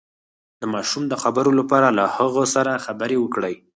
د ماشوم د خبرو لپاره له هغه سره خبرې وکړئ